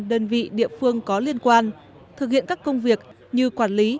đơn vị địa phương có liên quan thực hiện các công việc như quản lý